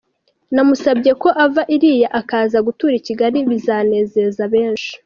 Namusabye ko ava iriya akaza gutura i Kigali, bizanezeza benshi.